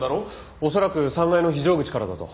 おそらく３階の非常口からだと。